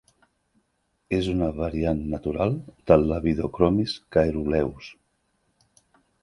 És una variant natural del "Labidochromis caeruleus".